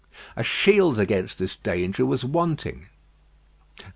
A shield against this danger was wanting.